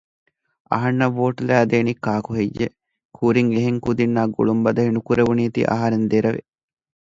އަހަންނަށް ވޯޓް ލައިދޭނީ ކާކުހެއްޔެވެ؟ ކުރިން އެހެން ކުދިންނާ ގުޅުން ބަދަހި ނުކުރެވުނީތީ އަހަރެން ދެރަވި